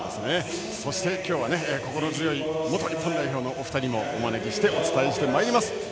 そして、今日は心強い元日本代表のお二人もお招きしてお伝えしてまいります。